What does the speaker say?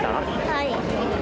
はい。